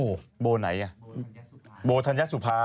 โบไหนอ่ะโบทัญญาสุภาโบทัญญาสุภา